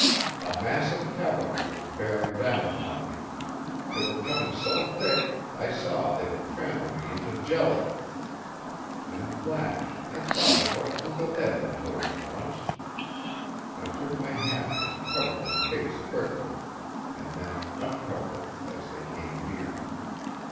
A mass of cavalry was bearing down upon me. They were coming so thick I saw they would trample me into jelly. In a flash I thought of what Uncle Eb had told me once. I took my hat and covered my face quickly, and then uncovered it as they came near.